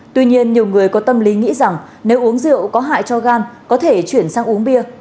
tuy nhiên nhiều người có tâm lý nghĩ rằng nếu uống rượu có hại cho gan có thể chuyển sang uống bia